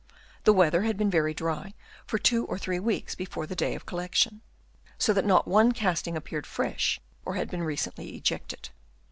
The weather had been very dry for two or three weeks before the day of collection, so that not one casting appeared fresh or had been recently ejected.